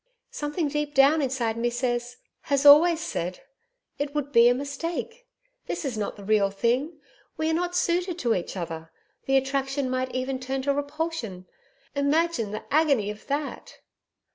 Something deep down inside me says has always said "It would be a mistake; this is not the real thing: we are not suited to each other; the attraction might even turn to repulsion." Imagine the agony of that!